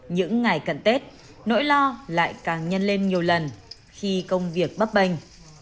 những ngày cận tết nỗi lo lại càng nhân lên nhiều lần khi công việc bấp bênh